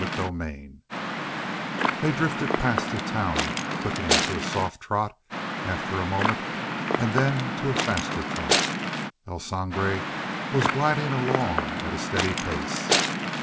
CHAPTER 36 They drifted past the town, quickening to a soft trot after a moment, and then to a faster trot El Sangre was gliding along at a steady pace.